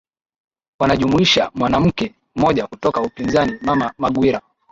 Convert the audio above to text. Wanajumuisha mwanamke mmoja kutoka upinzani mama Magwira